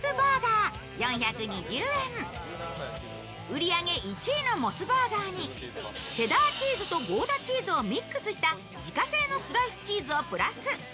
売り上げ１位のモスバーガーにチェダーチーズとゴーダチーズをミックスした自家製のスライスチーズをプラス。